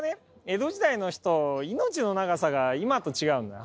江戸時代の人命の長さが今と違うんだよ